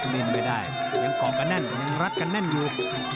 เล่นไม่ได้ยังก่อกันแน่นยังรัดกันแน่นอยู่